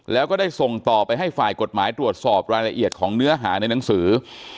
แล้วก็ได้ส่งต่อไปให้ฝ่ายกฎหมายตรวจสอบรายละเอียดของเนื้อหาในหนังสือ